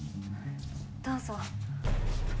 どうぞ。